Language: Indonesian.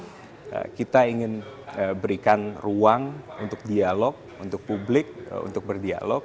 jadi kita ingin berikan ruang untuk dialog untuk publik untuk berdialog